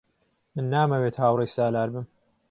من نامەوێت هاوڕێی سالار بم.